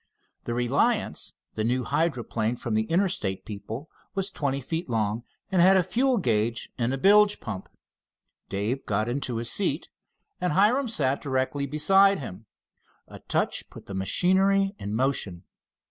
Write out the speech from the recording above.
The Reliance, the new hydroplane of the Interstate people, was twenty feet long and had a fuel gauge and a bilge pump. Dave got into his seat, and Hiram sat directly beside him. A touch put the machinery in motion.